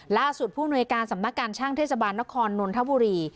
ล่าสุดผู้นวยการสำนักการช่างเทศบาลนครนนทบุรี